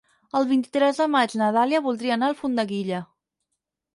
El vint-i-tres de maig na Dàlia voldria anar a Alfondeguilla.